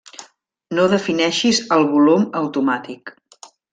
No defineixis el volum automàtic.